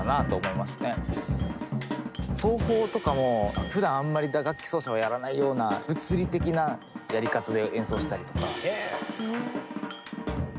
奏法とかもふだんあんまり打楽器奏者はやらないような物理的なやり方で演奏したりとか。